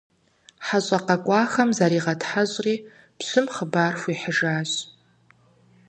ХьэщӀэ къэкӀуахэм заригъэтхьэщӀри пщым хъыбар хуихьыжащ.